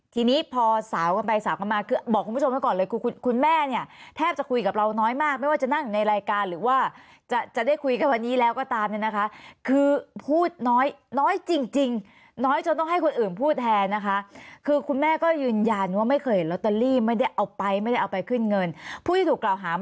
ทีนี้พอสาวกันไปสาวกันมาคือบอกคุณผู้ชมไว้ก่อนเลยคือคุณแม่เนี่ยแทบจะคุยกับเราน้อยมากไม่ว่าจะนั่งอยู่ในรายการหรือว่าจะจะได้คุยกันวันนี้แล้วก็ตามเนี่ยนะคะคือพูดน้อยน้อยจริงน้อยจนต้องให้คนอื่นพูดแทนนะคะคือคุณแม่ก็ยืนยันว่าไม่เคยเห็นลอตเตอรี่ไม่ได้เอาไปไม่ได้เอาไปขึ้นเงินผู้ที่ถูกกล่าวหา